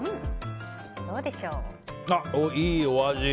いいお味！